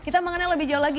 kita mengenal lebih jauh lagi